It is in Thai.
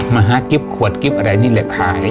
มาหากรีบขวดกรีบอะไรงี้เลยขาย